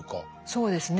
そうですね。